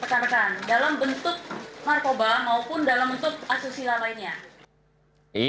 tekan rekan dalam bentuk narkoba maupun dalam bentuk asusila lainnya